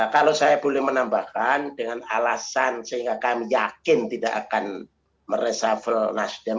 kalau saya boleh menambahkan dengan alasan sehingga kami yakin tidak akan meresafel nasdem